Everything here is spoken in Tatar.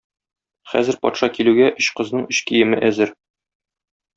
Хәзер патша килүгә өч кызның өч киеме әзер.